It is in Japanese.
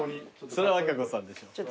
そりゃ和歌子さんでしょ。